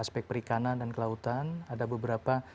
aspek perikanan dan kelautan ada beberapa